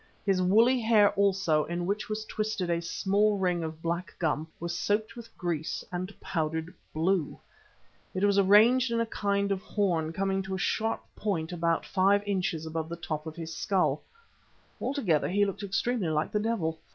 His woolly hair also, in which was twisted a small ring of black gum, was soaked with grease and powdered blue. It was arranged in a kind of horn, coming to a sharp point about five inches above the top of the skull. Altogether he looked extremely like the devil.